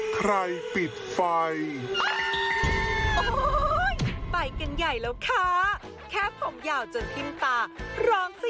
ใครปิดไฟไปกันใหญ่แล้วค่ะแค่ผมยาวจนทิ้งตาร้องซะ